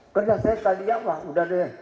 kerja saya tadi